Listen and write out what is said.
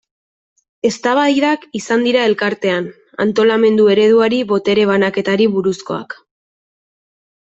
Eztabaidak izan dira Elkartean, antolamendu ereduari, botere banaketari buruzkoak.